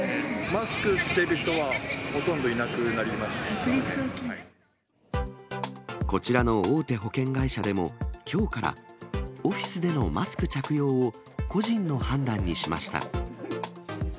マスクしてる人は、こちらの大手保険会社でも、きょうからオフィスでのマスク着用を個人の判断にしました。